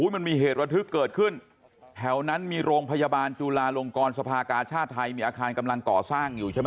มันมีเหตุระทึกเกิดขึ้นแถวนั้นมีโรงพยาบาลจุลาลงกรสภากาชาติไทยมีอาคารกำลังก่อสร้างอยู่ใช่ไหม